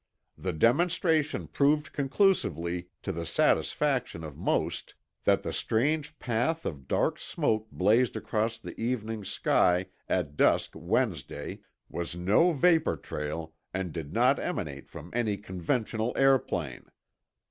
The demonstration proved conclusively to the satisfaction of most that the strange path of dark smoke blazed across the evening sky at dusk Wednesday was no vapor trail and did not emanate from any conventional airplane.